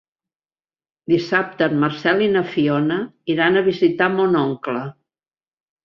Dissabte en Marcel i na Fiona iran a visitar mon oncle.